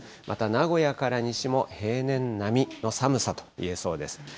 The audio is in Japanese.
また名古屋から西も平年並みの寒さといえそうです。